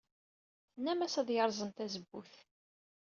Tennam-as ad yerẓem tazewwut.